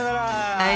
はい。